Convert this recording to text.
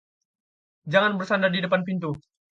jangan bersandar di depan pintu